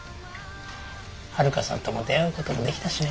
はるかさんとも出会うこともできたしね。